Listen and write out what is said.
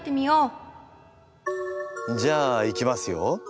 じゃあいきますよ。